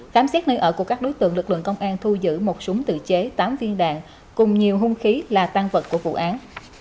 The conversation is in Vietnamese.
khám xét nơi ở của các đối tượng lực lượng công an thu giữ một súng tự chế tám viên đạn cùng nhiều hung khí là tăng vật của vụ án